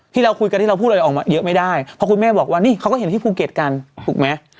ที่เราคุยกันที่เราพูดอะไรออกมาเยอะไม่ได้เพราะคุณแม่บอกว่านี่เขาก็เห็นที่ภูเก็ตกันถูกไหม